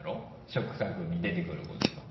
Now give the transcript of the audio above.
食卓に出てくることが。